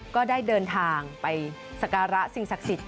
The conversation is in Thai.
ก็ได้เดินทางไปสักฆาระสิงสักสิทธิ์